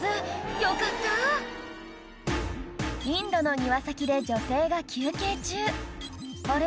よかったインドの庭先で女性が休憩中あれ？